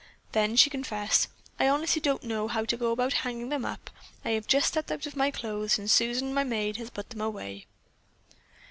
Then she confessed: "I honestly don't know how to go about hanging them up. I have just stepped out of my clothes and Susan, my maid, has put them away."